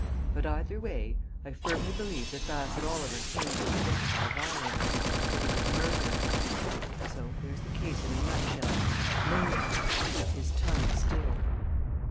But either way I firmly believe that Bassett Oliver came to his death by violence that he was murdered. So there's the case in a nutshell! Murdered! to keep his tongue still."